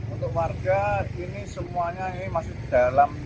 untuk warga ini semuanya ini masih dalam